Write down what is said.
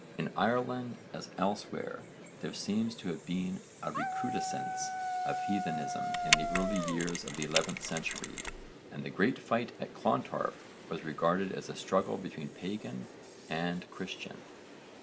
In Ireland as elsewhere there seems to have been a recrudescence of heathenism in the early years of the 11th century and the great fight at Clontarf was regarded as a struggle between pagan and Christian.